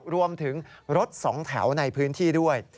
รวมถึงรถสองแถวในพื้นที่ด้วย